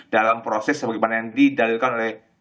dalam proses sebagaimana yang didalilkan oleh